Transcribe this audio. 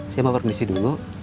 saya mau permisi dulu